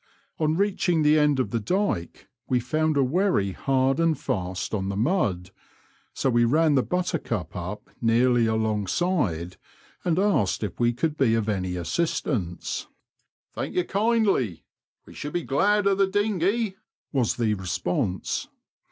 On reaching the end of the dyke we found a wherry hard and fast on the mud, so we ran the Buttercup up nearly alongside, and asked if we could be of any assistance. Digitized by VjOOQIC LOWESTOFT TO BECCLES. 87 Thank you kindly ; we should be glad of the dinghey,' was the response.